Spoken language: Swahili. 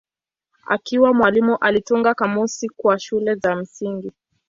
Akiwa mwalimu alitunga kamusi kwa shule za msingi.